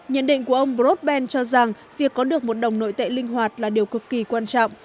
nhận định của ông bros ben cho rằng việc có được một đồng nội tệ linh hoạt là điều cực kỳ quan trọng